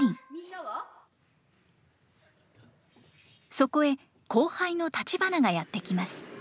そこへ後輩のタチバナがやって来ます。